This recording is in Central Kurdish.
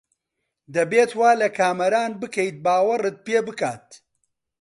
دەبێت وا لە کامەران بکەیت باوەڕت پێ بکات.